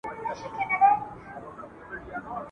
د حاكم له لاسه مېنه سپېره كېږي !.